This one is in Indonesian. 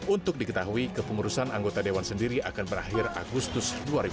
untuk diketahui kepengurusan anggota dewan sendiri akan berakhir agustus dua ribu dua puluh